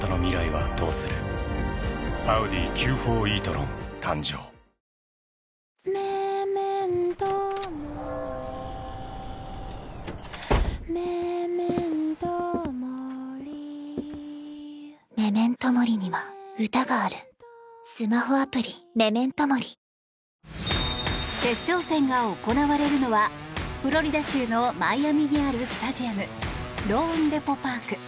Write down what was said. ゾンビ臭に新「アタック抗菌ＥＸ」決勝戦が行われるのはフロリダ州のマイアミにあるスタジアムローンデポ・パーク。